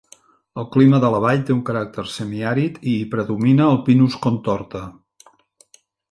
El clima de la vall té un caràcter semiàrid i hi predomina el "pinus contorta".